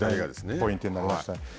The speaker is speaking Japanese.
ポイントになりました。